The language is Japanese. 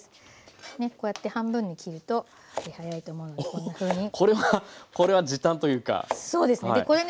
こうやって半分に切ると早いと思うのでこんなふうに。おお！これはこれは時短というかテクニックですね。